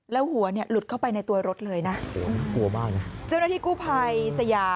แล้วหัวหลุดเข้าไปในตัวรถเลยนะ